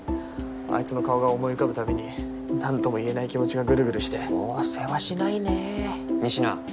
あいつの顔が思い浮かぶたびになんとも言えない気持ちがグルグルしておおーせわしないね仁科